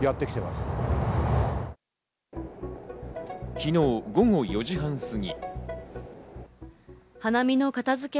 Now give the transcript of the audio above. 昨日、午後４時半過ぎ。